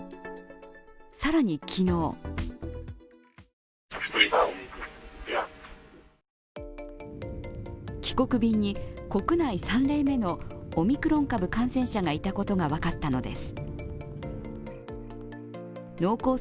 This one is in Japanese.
更に昨日帰国便に国内３例目のオミクロン株感染者がいたことが分かったのです。